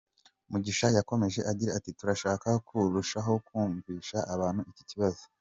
Mugisha yakomeje agira ati “Turashaka kurushaho kumvisha abantu iki kibazo.